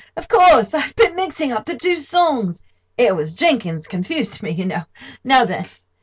Of course—I've been mixing up the two songs. It was Jenkins confused me, you know. Now then.